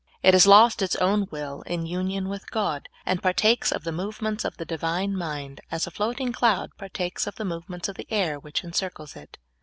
It has lost its own will in union with God, and partakes of the movements of the Divine mind, as a floating cloud partakes of the movements of the air which encircles it.